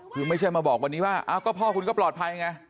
คือไม่ใช่มาบอกวันนี้ว่าก็พ่อคุณก็ปลอดภัยไง